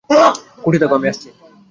কুট্টি, থাকো, আমি আসছি।